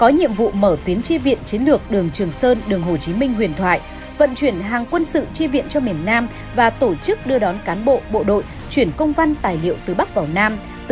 nhưng đường trường sơn đã được hoàn thành thần tốc và hàng nghìn chuyến hàng vẫn được vận chuyển từ bắc vào nam